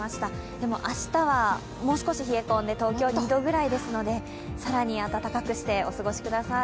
でも明日はもう少し冷え込んで東京、２度ぐらいですので更に温かくしてお過ごしください。